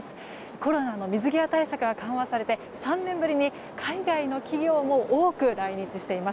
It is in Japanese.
コロナの水際対策が緩和されて３年ぶりに海外の企業も多く来日しています。